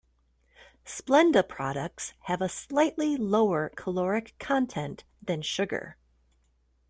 Splenda products have a slightly lower caloric content than sugar.